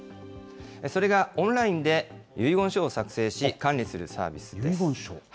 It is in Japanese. それがオンラインで、遺言書を作成し、管理するサービスです。